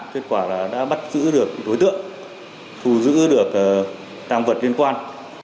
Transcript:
kết quả là đã bắt giữ được đối tượng thu giữ được tàng vật liên quan